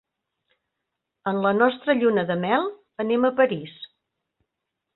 En la nostra lluna de mel, anem a París.